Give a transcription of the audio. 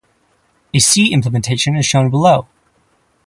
A C implementation is shown below.